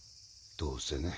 どうせね。